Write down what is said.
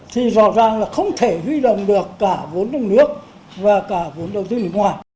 thì rõ ràng là không thể huy động được cả vốn trong nước và cả vốn đầu tư nước ngoài